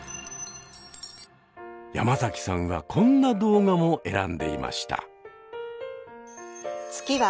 山崎さんはこんな動画も選んでいました。